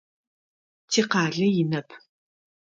Тикъалэ инэп.